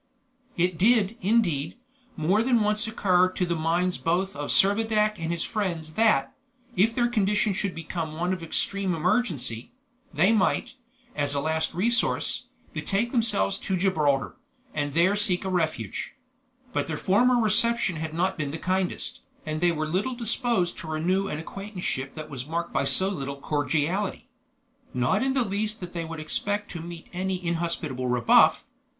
It did, indeed, more than once occur to the minds both of Servadac and his friends that, if their condition should become one of extreme emergency, they might, as a last resource, betake themselves to Gibraltar, and there seek a refuge; but their former reception had not been of the kindest, and they were little disposed to renew an acquaintanceship that was marked by so little cordiality. Not in the least that they would expect to meet with any inhospitable rebuff.